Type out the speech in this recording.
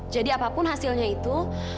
jadi apapun hasilnya itu